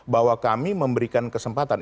bahwa kami memberikan kesempatan